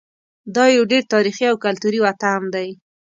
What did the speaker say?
دا یو ډېر تاریخي او کلتوري وطن دی.